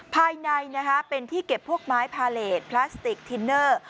ภายในเป็นที่เก็บพวกไม้พาเลสพลาสติกทินเนอร์